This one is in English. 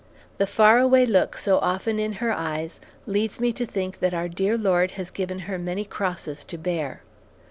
The far away look so often in her eyes leads me to think that our dear Lord has given her many crosses to bear.